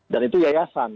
dan itu yayasan